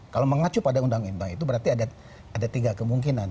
kalau mengacu pada undang undang itu berarti ada tiga kemungkinan